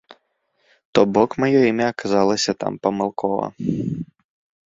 То-бок маё імя аказалася там памылкова.